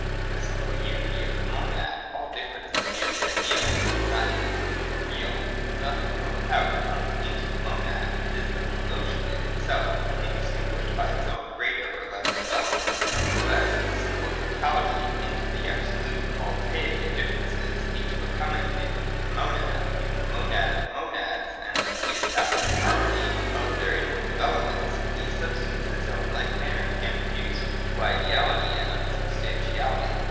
In the simple unity of the Monad, all difference is merely ideal, not independent or real. Nothing from without comes into the monad : It is the whole notion in itself, only distinguished by its own greater or less development. None the less, this simple totality parts into the absolute multeity of differences, each becoming an independent monad. In the monad of monads, and the Pre established Harmony of their inward developments, these substances are in like manner again reduced to ' ideality ' and unsubstantiality.